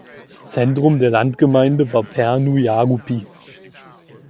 Zentrum der Landgemeinde war Pärnu-Jaagupi.